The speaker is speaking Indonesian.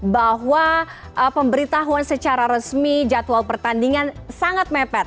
bahwa pemberitahuan secara resmi jadwal pertandingan sangat mepet